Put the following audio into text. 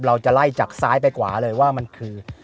เราจะไล่จากซ้ายไปขวาเลยว่ามันคือ